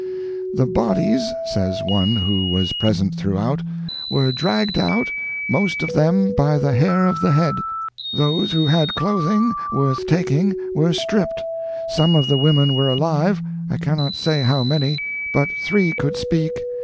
'The bodies,' says one who was present throughout, 'were dragged out, most of them by the hair of the head. Those who had clothing worth taking were stripped. Some of the women were alive. I cannot say how many; but three could speak.